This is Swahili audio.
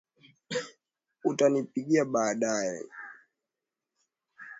Utanipigia baadae